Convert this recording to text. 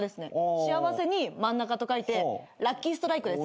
「幸せ」に「真ん中」と書いてラッキーストライクです。